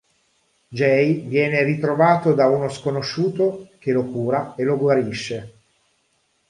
Jay viene ritrovato da uno sconosciuto che lo cura e lo guarisce.